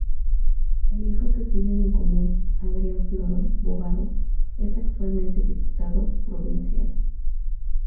El hijo que tienen en común, Adrián Floro Bogado, es actualmente diputado provincial.